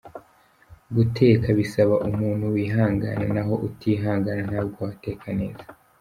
Guteka bisaba umuntu wihangana naho utihangana ntabwo ateka neza.